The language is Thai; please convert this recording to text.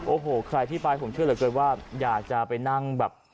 โอ้โหใครที่ไปผมเชื่อเหลือเกินว่าอยากจะไปนั่งแบบ